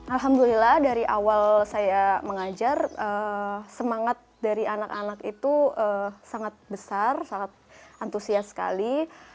alhamdulillah dari awal saya mengajar semangat dari anak anak itu sangat besar sangat antusias sekali